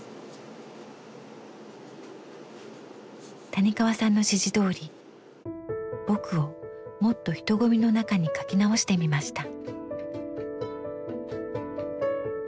谷川さんの指示どおり「ぼく」をもっと人混みの中に描き直してみました。